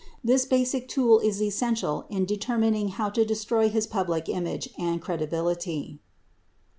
This basic tool is essen tial in determining how to destroy his public image and credibility.